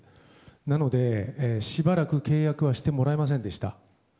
なので、しばらく契約はしてもらえませんでした。